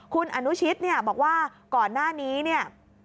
คุณอนุชิตบอกว่าก่อนหน้านี้